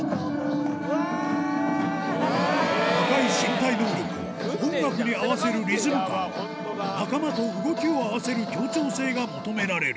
高い身体能力音楽に合わせるリズム感仲間と動きを合わせる協調性が求められる